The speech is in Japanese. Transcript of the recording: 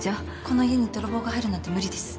この家に泥棒が入るなんて無理です。